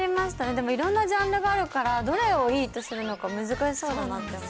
でもいろんなジャンルがあるから、どれをいいとするのか難しそうだなと思いました。